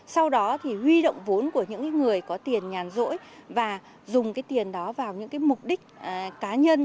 sau đó huy động vốn của những người có tiền nhàn dỗi và dùng tiền đó vào những mục đích cá nhân